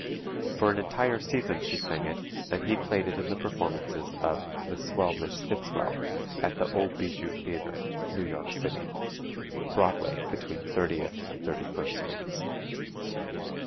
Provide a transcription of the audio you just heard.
For an entire season she sang it and he played it in the performances of "The Swell Miss Fitzwell" at the old Bijou Theatre, New York City (Broadway between 30th and 31st Sts.).